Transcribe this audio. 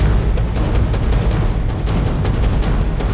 ag sisih cadalnya